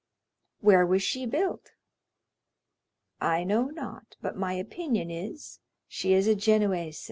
"Where was she built?" "I know not; but my own opinion is she is a Genoese."